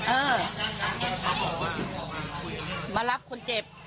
เออมารับคนเจ็บ